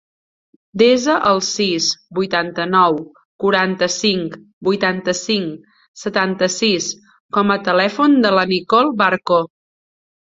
Desa el sis, vuitanta-nou, quaranta-cinc, vuitanta-cinc, setanta-sis com a telèfon de la Nicole Barco.